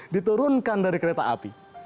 diturunkan dari kereta api